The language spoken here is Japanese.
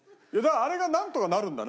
あれがなんとかなるんだな。